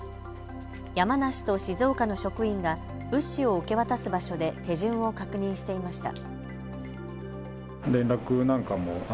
山梨と静岡の職員が物資を受け渡す場所で手順を確認していました。